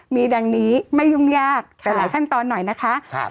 มีดังนี้ไม่ยุ่งยากแต่หลายขั้นตอนหน่อยนะคะ